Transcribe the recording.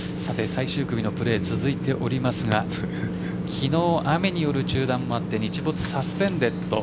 最終組のプレー続いておりますが昨日、雨による中断もあって日没サスペンデッド。